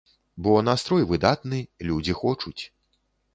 Бо настрой выдатны, людзі хочуць.